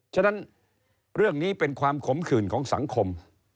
ฉะนั้นเรื่องนี้เป็นความขมขื่นของสังคม